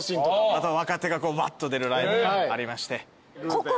あと若手がわっと出るライブがありまして。